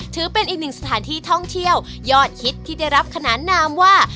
ถือเป็นอีกหนึ่งสถานที่ท่องเที่ยวยอดฮิตที่ได้รับขนานนามว่า